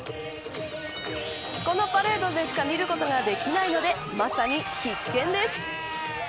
このパレードでしか見ることができないのでまさに必見です。